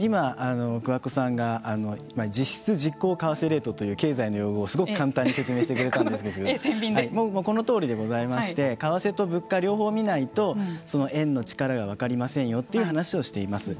今、桑子さんが実質実効為替レートという経済の用語をすごく簡単に説明してくれたんですけどこのとおりでございまして為替と物価、両方見ないと円の力が分かりませんよという話をしています。